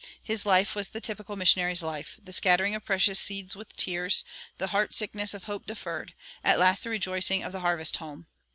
His life was the typical missionary's life the scattering of precious seed with tears, the heart sickness of hope deferred, at last the rejoicing of the harvest home.